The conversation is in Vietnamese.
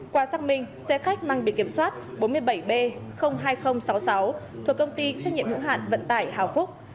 qua xác minh xe khách mang bị kiểm soát bốn mươi bảy b hai nghìn sáu mươi sáu thuộc công ty trách nhiệm hữu hạn vận tải hào phúc